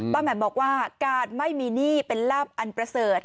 ป้าแหม่มบอกว่าการไม่มีหนี้เป็นราบอัตเวอร์เสร็จ